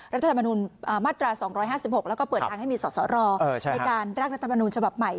รัฐธรรมนุนมาตรา๒๕๖แล้วก็เปิดทางให้มีสอสรในการร่างรัฐมนูญฉบับใหม่